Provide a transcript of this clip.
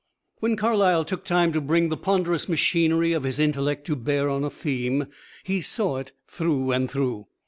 When Carlyle took time to bring the ponderous machinery of his intellect to bear on a theme, he saw it through and through.